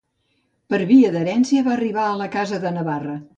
Per via d'herència va arribar a la casa de Navarra.